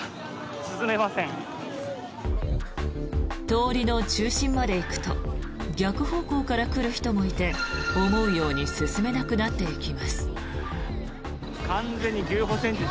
通りの中心まで行くと逆方向から来る人もいて思うように進めなくなっていきます。